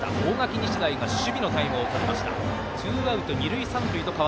日大が守備のタイムをとりました。